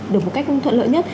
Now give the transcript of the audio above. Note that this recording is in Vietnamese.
được một cách thuận lợi nhất